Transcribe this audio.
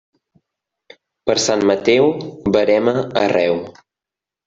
Per Sant Mateu, verema arreu.